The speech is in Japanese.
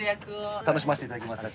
楽しませていただきます。